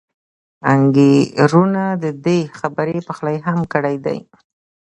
انګېرنو د دې خبرې پخلی هم کړی دی.